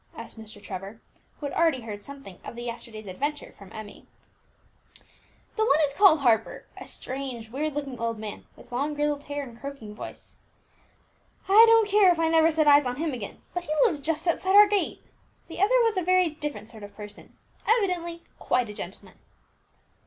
asked Mr. Trevor, who had already heard something of the yesterday's adventure from Emmie. "The one is called Harper, a strange, weird looking old man, with long grizzled hair, and croaking voice," replied Vibert. "I don't care if I never set eyes on him again, but he lives just outside our gate. The other was a very different sort of person, evidently quite a gentleman."